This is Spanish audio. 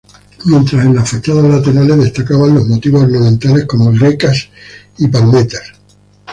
Mientras, en las fachadas laterales, destacaban los motivos ornamentales como grecas y palmetas.